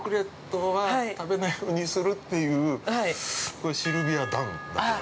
これ、シルビア談だけど。